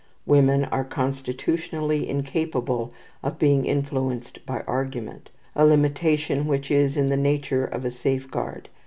Women are constitutionally incapable of being influenced by argument, a limitation which is in the nature of a safeguard.